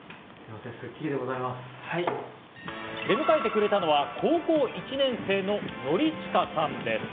出迎えてくれたのは高校１年生の典親さんです。